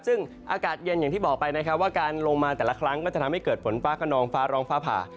ซึ่งอากาศเย็นอย่างที่บอกไปนะครับว่าการลงมาแต่ละครั้งก็จะทำให้เกิดฝนฟ้าขนองฟ้าร้องฟ้าผ่า